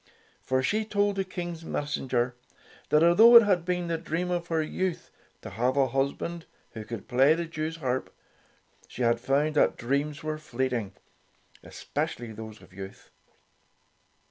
For she told the King's messenger that although it had been the dream of her youth to have a husband who could play the Jewsharp, she had found that dreams were fleeting — especi ally those of youth.